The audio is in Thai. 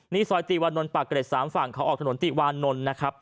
นี่ซอยติวานนท์ปากเกร็ด๓ฝั่งเขาออกถนนติวานนท์นะครับ